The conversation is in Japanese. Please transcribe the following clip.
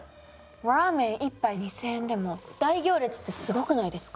ＲＡＭＥＮ１杯２，０００円でも大行列ってすごくないですか？